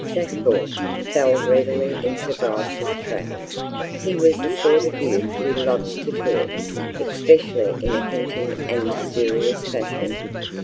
Sackville fell readily into Bryce's trap. He was the sort of youth who loves to talk, especially in a hinting and mysterious fashion.